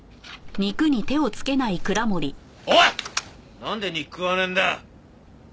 なんで肉食わねえんだよ。